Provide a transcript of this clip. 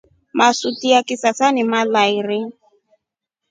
Masuti ya kisasa ni malairii.